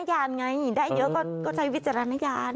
ได้ง่ายก็ใช้วิจารณญาณ